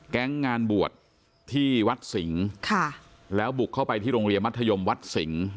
งานบวชที่วัดสิงค่ะแล้วบุกเข้าไปที่โรงเรียนมัธยมวัดสิงห์